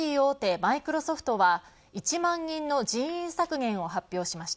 マイクロソフトは１万人の人員削減を発表しました。